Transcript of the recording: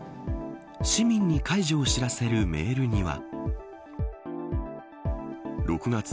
市民に解除を知らせるメールには。